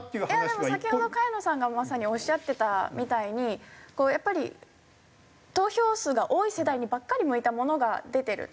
でも先ほど萱野さんがまさにおっしゃってたみたいにやっぱり投票数が多い世代にばっかり向いたものが出てる。